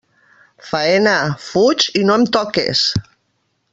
Faena, fuig i no em toques.